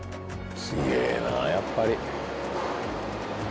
すげぇなやっぱり。